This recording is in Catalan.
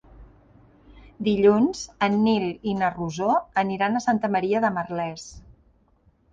Dilluns en Nil i na Rosó aniran a Santa Maria de Merlès.